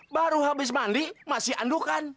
baru habis mandi masih andukan